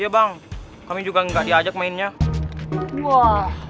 kayaknya gak ada makanan